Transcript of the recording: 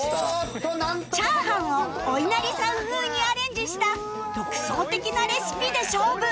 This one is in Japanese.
炒飯をおいなりさん風にアレンジした独創的なレシピで勝負